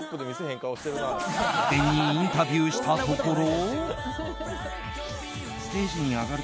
事前にインタビューしたところ。